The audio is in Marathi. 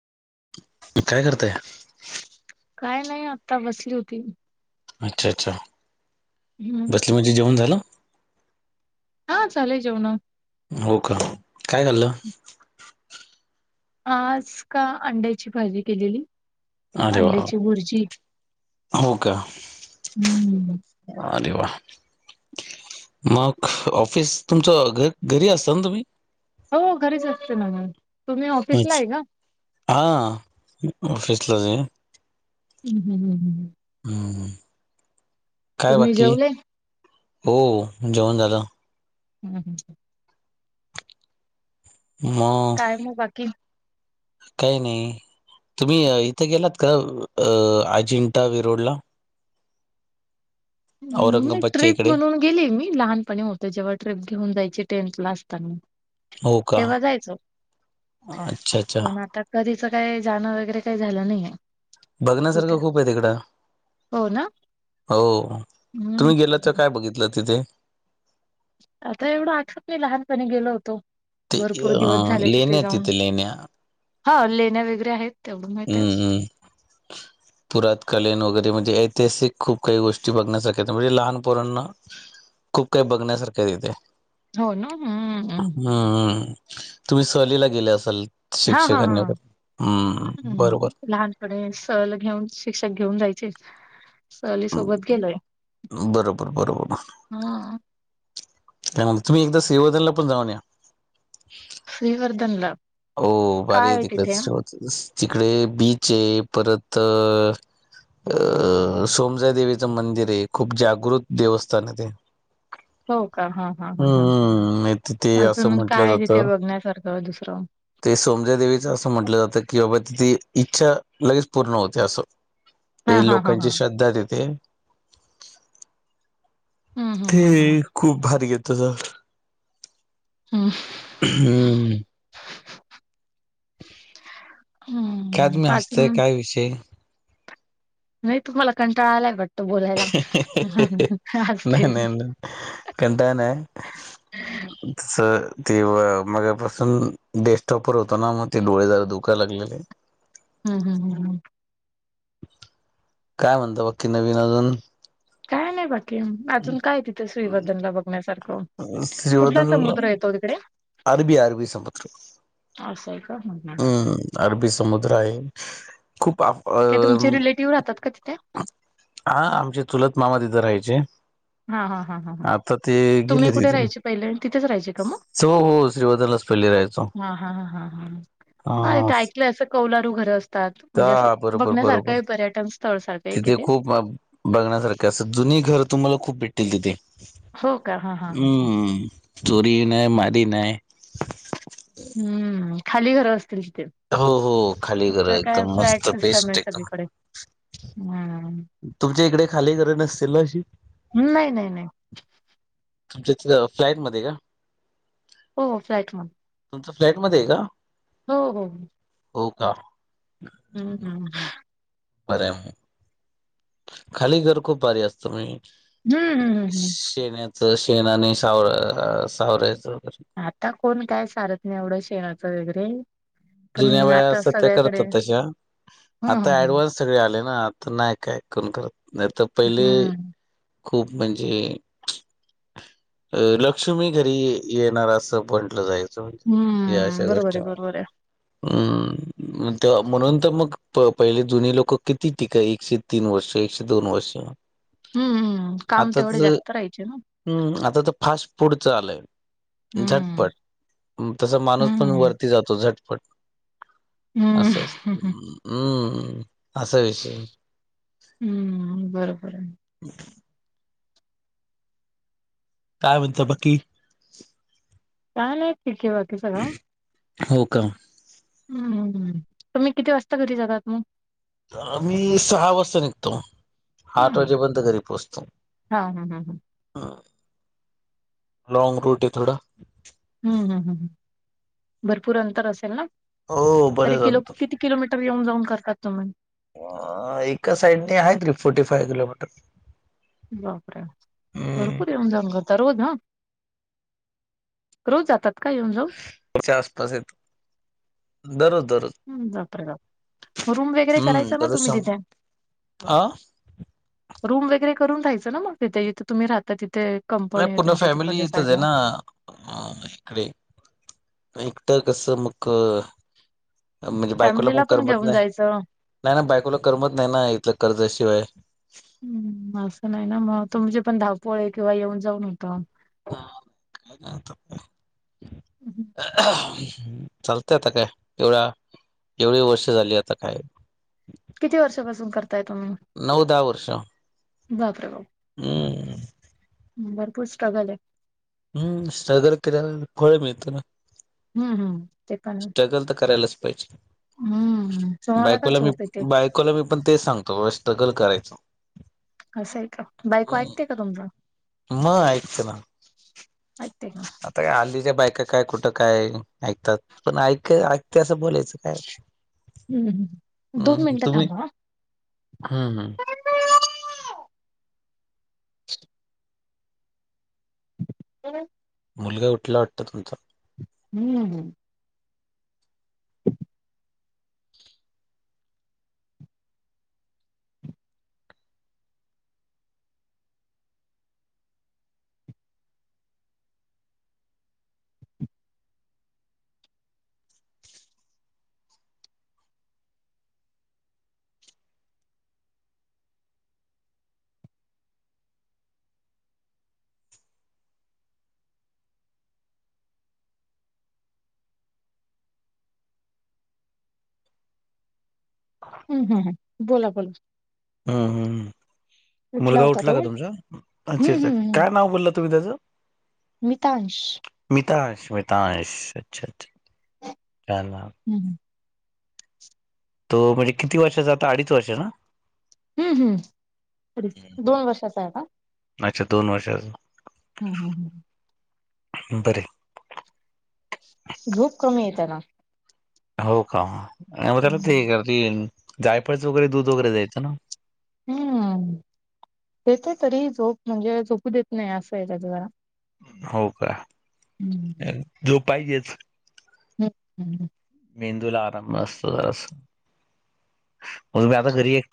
काय करतया? काय नय आता बसली होती. अच्छा- अच्छा. हम्म बसली म्हणजे, जेवण झालं? हा झाले जेवणं. हो का, काय खाल्लं? आज का, अंड्याची भाजी केलेली. अरे वा अंड्याची भुर्जी, हम्म. वा रे वा. मग ऑफिस तुमचं, घ घरी असता ना तुम्ही? हो घरीच असते ना मी, तुम्ही ऑफिसला हाय का? हां मी ऑफिसलाज हे. ह्म ह्म ह्म ह्म. ह्ह, काय तुम्ही बाकी? जेवले? हो जेवण झालं. ह्म ह्म. मं. अन मग बाकी? काय नई. तुम्ही इथे गेलात का अं अजिंठा वेरूड ला? ह्म औरंगाबादच्या ट्रीप इकडे म्हणून गेली मी लहानपणे होते, जेव्हा ट्रिप घेऊन जायची टेन्थ ला असतांना हो का तेव्हा जायचो. अच्छा अच्छा पण आता कधीचं काय जाण वगैरे काही झालं नाहीये. तिथे बघण्यासारखं खूप आहे तिकडं, हो ना. हो हम्म तुम्ही गेलात त काय बघितलं, तिथे? आता एवढं आठवत नहीं, लहानपणी गेलो होतो. ते भरपूर दिवस अ, झाले तिथे लेण्या आहेत जाऊन, लेण्या हां लेण्या वगैरे आहेत. हम्म हम्. ह [unintelligible] पुरात कालीन वगैरे, म्हणजे ऐतिहासिक खूप काही, गोष्टी बघण्यासारख्या, म्हणजे लहानपरांना खूप काही बघण्यासारखं, तिथे. होन हम्म् हम्म. हम्म ह्म, तुम्ही सहलीला गेले असाल, हा हा शिक्षकांनी हा [unintelligible] हम्म. बरोबर हम्म, लहानपणी सहल घेऊन, शिक्षक घेऊन जायचे सहली सोबत गेलोय. होणा. हां. त्यामुळं, तुम्ही एकदा सेवदनला, पण जाऊन या. श्रीवर्धन ला? हो भारी तिकडं श्रो तिकडे बीच ये, परत सोम [unintelligible] देवीचं मंदिर ये, खूप जागृत देवस्थान ये, ते. हो का, हं हं हं हं हम्म नाही तिथे असं अजून म्हटलं काय, जातं तिथे बघण्यासारखं, दुसरं? ते सोमज्यादेवीचं असं म्हटलं जातं की, बाबा तिथ इच्छा, लगेच पूर्ण होते असं हा पही हा हा हा लोकांची, श्रद्धा तिथे. हम्म हम्म हम्म ते हम्म खूप भारीये तुझं ह्म. हम्म [unintelligible] का तुम्ही हसताय, अजून काय विषय? नही तुम्हाला कंटळा आलाय, वाट असते. नही नही न, कंटाळा नाय तस ते व मघापासून डेस्टॉपवर होतो ना, म ते डोळे जरा दुखाय लागलेले. हम् हम ह्म. काय म्हणता, बाकी नवीन अजून? काय नही बाकी, अजून काय तिथ श्रीवर्दनला, बघण्यासारखं. श्री कुठला वर्धनला समुद्र येतो तिकडे? अरबी, अरबी समुद्र. असंय का, ह्म ह्म. हम्म अरबी समुद्र आहे, खूप आप ते तुमचे रिलेटिव्ह राहतात का, तिथे? आ, आमचे चुलत मामा तिथं राहायचे. हां हां हां हं. आता ते गेले तुम्ही कुठे तिथून राहायचे पहिले, तिथेच राहायचे का मग? हो हो श्रीवर्धनलाच पहिले राहायचो हां हां हां हं. हा तिथे ऐकलंय असं, कौलारू घरं असतात, म्हणजे असं त्या बरोबर बघण्यासारखं बरोबर ये, पर्यटन स्थळ सारखं. आहे की तिथे ते? खूप, बघण्यासारख, असं जुनी घर तुम्हाला खूप भेटतील तिथे. हो का? हं. हम्म, चोरी नाय, मारी नाय. हम्म, खाली घर असतील तिथे? हो हो खाली घर आता काय, एकदम फ्लॅट मस्त सिस्टम ये, बेस्ट एकदम सगळीकडे हम्म. तुमच्या इकडे, खाली घर नसतील ना, अशी? ऊमं, नही नही नई. तुमच्या इथ फ्लाॅट मध्ये का? हो फ्लॅट मध्ये. तुमचं फ्लॅट मध्ये आहे का? हो हो हो. हो का. हम्म हम् हम्. बरं म‌. खाली घर खूप भारी असतो मी. हं, हं, हं, हं. शेण्याचं शेण आणि सावर सावऱ्याच वगैरे. आता कोण काय सारत नाही एवढं शेणाचं वगैरे. जुन्या पण बया आता असतात त्या सगळ्याकडे करतात तशा हं, हं, आता अँड हं. व्हान्स सगळे आले ना आता नाही काय कोण करत नाही तर पहिले हम्म. खूप म्हणजे अ लक्ष्मी घरी येणार असं म्हंटलं जाईल. या हम्म. अशा बरोबर आहे, गोष्टीम बरोबर आहे. हम त्या म्हणून तर मग प पहिले जुनी लोक किती टिके एकशे तीन वर्ष एकशे दोन वर्ष. हम्म. हम्म. काम आता तेवढे तर जास्त राहायचे ना. हम् आता तर फास्ट फूडच आलय. हम्म. झटपट तस माणूस पण हम्म. वरती जातो झटपट. हम् असं ह असतं. ह. हम्म असा विषय. हम्म बरोबर आहे. [inaudible] काय उचापती. तान ह शिकिवा हो का. हम हमम, तुम्ही किती वाजता घरी जातात मग? तर मी सहा वाजता निघतो आठ वाजेपर्यंत घरी पोहोचतो. हा हा हा हा. लँग रूट आहे थोडा. हम् हम हम्, भरपूर अंतर असेल ना? हो तरी बरेच किलो अंतर किती किलोमीटर येऊन जाऊन करतात तुम्ही. एका साइडने आहे त फोर्टी फायव्ह किलोमीटर. बपरे भरपूर हम्म येऊन जाऊ करता रोज हा. रोज जातात का येऊन जाऊन. त्याच्या आसपास येत दररोज दररोज. हम्म, रूम वगैरे हम्म करायच दररोज तुम्ही शं तिथे. अ रूम वगैरे करून राहायचं ना मग तिथेथे तुम्ही राहता तिथेथे. नाही पूर्ण फॅमिली इथंच आहे ना ह इकडे एकटं कस मग म्हणजे बायकोला फॅमिलीला पण करमत घेऊन नाही. जायचं. नाही ना बायकोला करमत नाही ना इथलं कर्जाशिवाय. हम् असं नाही ना मग तो म्हणजे पण धावपोळे किंवा येऊन जाऊन होतं. [inaudible] हम्म. आता काय एवढा एवढी वर्ष झाली आता काय. किती वर्षापासून करताय तोम्ही. नऊ दहा वर्ष. बापरे भाऊ हम भरपूर स्ट्रगल आहे. हम्म स्ट्रगल केल्यानं फळ मिळतं ना. हम्म हम्म ते पण आहे. स्ट्रगल तर करायलाच पाहिजे. हम्म तुम्हाला का बायकोला मी झोप येते बायकोला मी पण तेच सांगतो बाबा स्ट्रगल करायचं. असं आहे का, बायको हम्म ऐकते का तुमचं? मग ऐकते ना ऐकते. आता हल्लीच्या बायका काय कुठं काय ऐकतात पण ऐक ऐकते असं बोलायचं. काय हम्म् दोन मिनिटं थांबा हा. हम् हम्. [unintelligible] मुलगा उठला वाटतं तुमचा? हम्म हम् हम्म हम् ह बोला बोला. हा हम्म हम्. कुठला मुलगा होता उठला तो? का तुमचा? हम्म अच्छा अच्छा. हम्म हम्म काय नाव बोलला तुम्ही त्याचं? मितांश. मितांश मितांश अच्छा अच्छा छान नाव. हम् हम. तो म्हणजे किती वर्षाचा आता अडीच वर्ष ना. हम्म हम्म अडीच हम्म. दोन वर्षाचा आहे आता. अच्छा दोन वर्षांचं हम्म हम्म. बरंय. झोप कमी आहे त्याला. हो का मग त्याला हम्म. ते जायफळच वगैरे दूध वगैरे द्यायचं ना. हम्म देते तरी झोप म्हणजे झोपू देत नाही असं आहे त्याच जरा. हो का. हम्म. झोप पाहिजेच. ह ह. मेंदूला आराम असतो जरासं, म्हणुन मी आता घरी एक